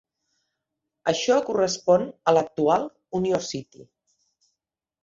Això correspon a l'actual Union City.